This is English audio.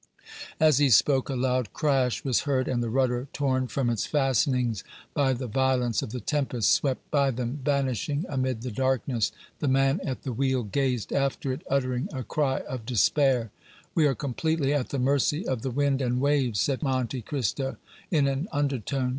As he spoke, a loud crash was heard, and the rudder, torn from its fastenings by the violence of the tempest, swept by them, vanishing amid the darkness. The man at the wheel gazed after it, uttering a cry of despair. "We are completely at the mercy of the wind and waves!" said Monte Cristo, in an undertone.